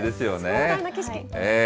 壮大な景色。